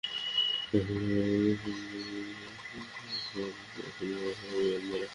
শেষে নানা বুদ্ধি খাটিয়ে ঠিকই কেস সমাধান করে ফেলেন প্রাইভেট গোয়েন্দারা।